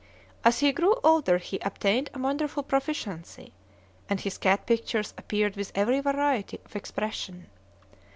As he grew older he obtained a wonderful proficiency, and his cat pictures appeared with every variety of expression.